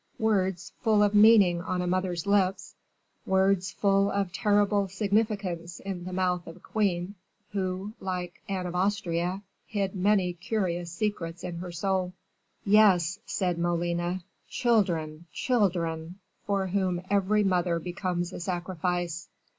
words full of meaning on a mother's lips words full of terrible significance in the mouth of a queen who, like Anne of Austria, hid many curious secrets in her soul. "Yes," said Molina, "children, children! for whom every mother becomes a sacrifice."